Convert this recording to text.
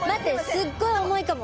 すっごい重いかも！